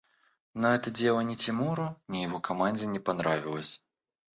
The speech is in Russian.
Но это дело ни Тимуру, ни его команде не понравилось.